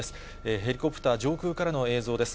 ヘリコプター上空からの映像です。